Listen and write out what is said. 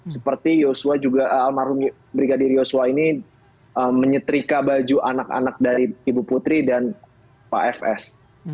seperti almarhum brigadir yosua ini menyetrika baju anak anak dari ibu putri dan pak fs